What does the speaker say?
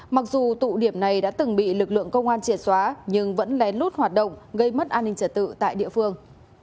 mặc dù tụ điểm này đã từng bị lực lượng công an triệt xóa nhưng vẫn lén lút hoạt động gây mất an ninh trả tự tại địa phương